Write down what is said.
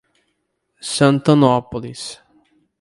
Santanópolis